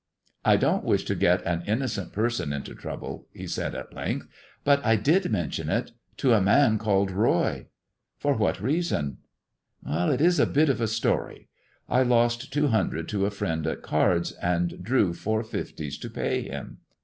" I don't wish to get an innocent person into trouble," he said at length, " but I did mention it — to a man called Roy." " For what reason 1 "" It is a bit of a story. I lost two hundred to a friend at cards, and drew four fifties to pay him.